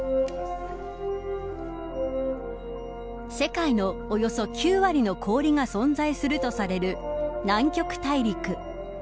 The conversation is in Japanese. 世界のおよそ９割の氷が存在するといわれる南極大陸。